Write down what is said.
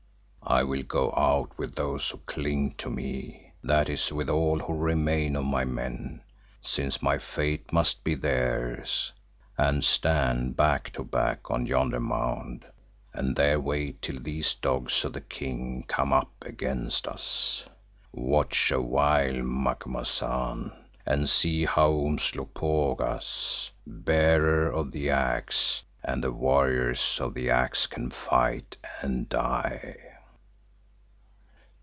"I will go out with those who cling to me, that is with all who remain of my men, since my fate must be theirs, and stand back to back on yonder mound and there wait till these dogs of the King come up against us. Watch a while, Macumazahn, and see how Umslopogaas, Bearer of the Axe, and the warriors of the Axe can fight and die."